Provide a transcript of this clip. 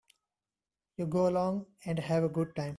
You go along and have a good time.